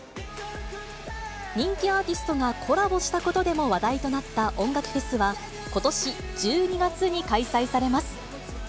人気アーティストがコラボしたことでも話題となった音楽フェスは、ことし１２月に開催されます。